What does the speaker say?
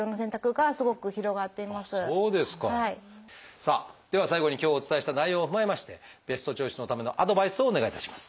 さあでは最後に今日お伝えした内容を踏まえましてベストチョイスのためのアドバイスをお願いいたします。